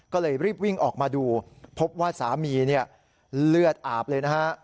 ก็เลยรีบวิ่งออกมาดูพบว่าสามีเนี่ยเลือดอาบเลยนะฮะ